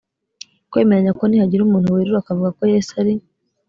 kwemeranya ko nihagira umuntu werura akavuga ko yesu ari